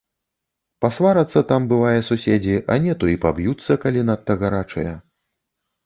Пасварацца там, бывае, суседзі, а не то і паб'юцца, калі надта гарачыя.